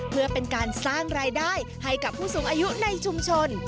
เพื่อเป็นการสร้างรายได้ให้กับผู้สูงอายุในชุมชน